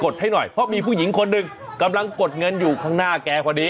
ตาอย่างคนนึงกำลังกดเงินอยู่ข้างหน้าแกพอดี